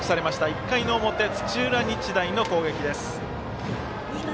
１回の表、土浦日大の攻撃です。